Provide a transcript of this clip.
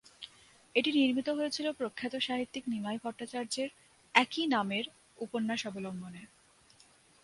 এটি নির্মিত হয়েছিল প্রখ্যাত সাহিত্যিক নিমাই ভট্টাচার্যের "একই নামের" উপন্যাস অবলম্বনে।